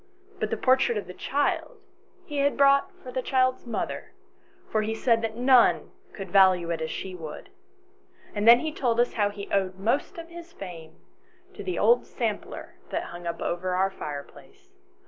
But the portrait of the child he had brought for the child's mother, for he said none could value it as she would. And then he told us how he owed most of his fame to the old sampler that hung up over our fireplace.